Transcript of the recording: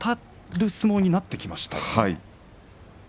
あたる相撲になってきましたね。